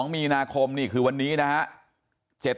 ๑๒มีนาคมนี่คือวันนี้นะฮะ